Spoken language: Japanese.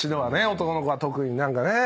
男の子は特に何かね。